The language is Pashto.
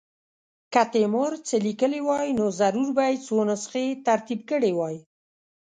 که تیمور څه لیکلي وای نو ضرور به یې څو نسخې ترتیب کړې وای.